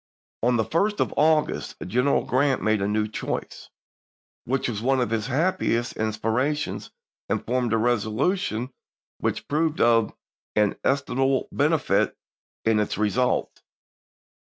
On the 1st of August General Grant made a new choice, which was one of his happiest in spirations, and formed a resolution which proved of inestimable benefit in its results.